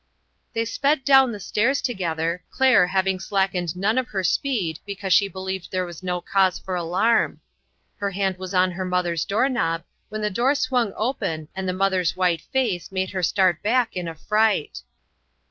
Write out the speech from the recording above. They sped down the stairs together, Claire having slackened none of her speed because 24 INTERRUPTED. she believed there was no cause for alarm. Her hand was on her mother's doorknob, when the door swung open, and the mother's white face made her start back in affright.